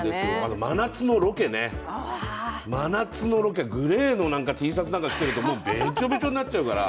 真夏のロケね、真夏のロケ、グレーのＴシャツなんか着てたらもうべちょべちょになっちゃうから。